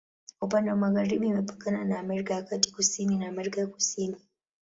Upande wa magharibi imepakana na Amerika ya Kati, kusini na Amerika ya Kusini.